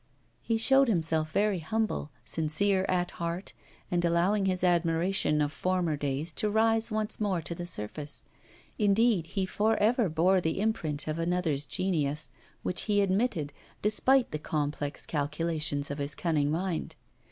He showed himself very humble, sincere at heart, and allowing his admiration of former days to rise once more to the surface; indeed, he for ever bore the imprint of another's genius, which he admitted, despite the complex calculations of his cunning mind.